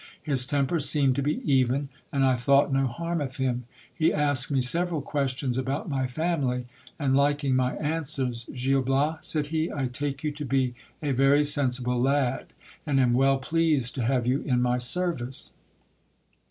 His temper seemed to be even, and I thought no harm of him. He asked me several questions about my family ; and liking my answers — Gil Bias, said he, I take you to be a very sensible lad, and am well pleased to have you in my service.